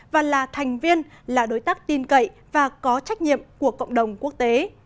và là thành viên là đối tác tin cậy và có trách nhiệm của cộng đồng quốc tế